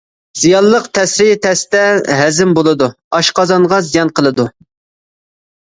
زىيانلىق تەسىرى تەستە ھەزىم بولىدۇ، ئاشقازانغا زىيان قىلىدۇ.